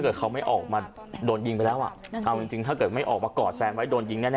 ชายตัวปั๊ง